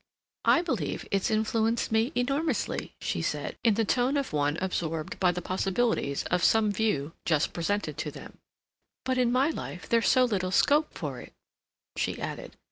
"I believe it's influenced me enormously," she said, in the tone of one absorbed by the possibilities of some view just presented to them; "but in my life there's so little scope for it," she added.